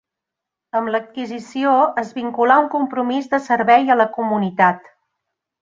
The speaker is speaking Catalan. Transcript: Amb l'adquisició es vinculà un compromís de servei a la comunitat.